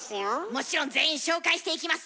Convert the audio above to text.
もちろん全員紹介していきます。